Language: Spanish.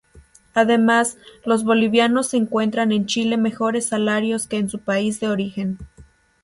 Además, los bolivianos encuentran en Chile mejores salarios que en su país de origen.